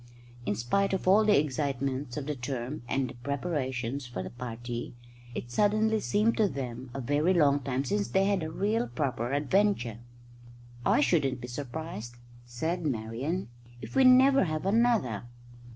In spite of all the excitements of the term and the preparations for the party, it suddenly seemed to them a very long time since they had had a real proper adventure. "I shouldn't be surprised," said Marian, "if we never have another."